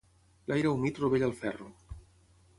L'aire humit rovella el ferro.